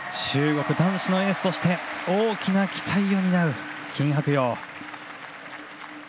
中国男子のエースとして大きな期待を担う金博洋。